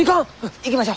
行きましょう！